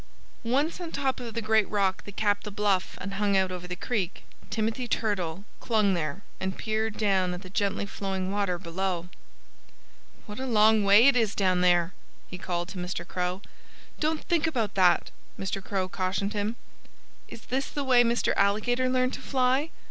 Once on top of the great rock that capped the bluff and hung out over the creek, Timothy Turtle clung there and peered down at the gently flowing water below. "What a long way it is down there!" he called to Mr. Crow. "Don't think about that!" Mr. Crow cautioned him. "Is this the way Mr. Alligator learned to fly?"